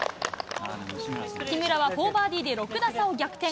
木村は４バーディーで６打差を逆転。